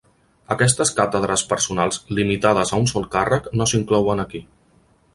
Aquestes càtedres "personals" limitades a un sol càrrec no s'inclouen aquí.